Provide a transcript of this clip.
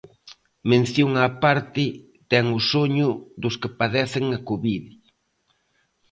Mención á parte ten o soño dos que padecen a Covid.